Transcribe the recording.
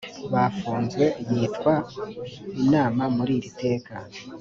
bafunzwe yitwa inama muri iri teka